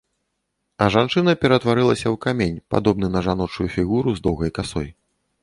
А жанчына ператварылася ў камень, падобны на жаночую фігуру з доўгай касой.